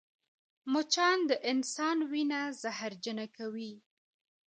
مچان د انسان وینه زهرجنه کوي